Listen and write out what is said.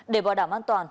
để bảo đảm an toàn